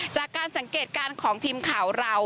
จากการสังเกตการณ์ของทีมข่าวเรา